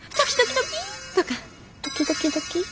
ドキドキドキ。